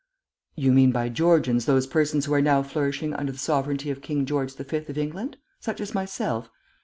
"You mean by Georgians those persons who are now flourishing under the sovereignty of King George the Fifth of England? Such as myself?